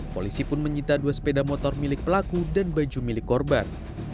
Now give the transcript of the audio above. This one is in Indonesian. polisi pun menyita dua sepeda motor milik pelaku dan baju milik korban